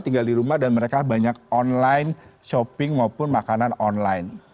tinggal di rumah dan mereka banyak online shopping maupun makanan online